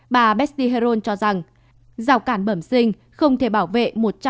bà besti heron cho rằng rào cản bẩm sinh không thể bảo vệ một trăm linh